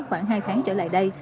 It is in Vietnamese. khoảng hai tháng trở lại đây